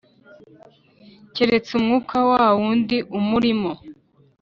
keretse umwuka wa wawundi umurimo?